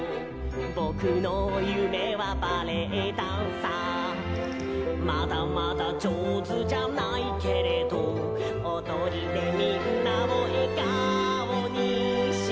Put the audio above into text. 「ぼくのゆめはバレエダンサー」「まだまだじょうずじゃないけれど」「おどりでみんなをえがおにしたい」